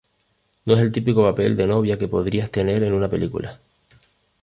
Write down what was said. No es el típico papel de novia que podrías tener en una película.